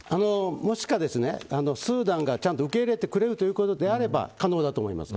もしくはスーダンがちゃんと受け入れてくれるということであれば可能だと思います。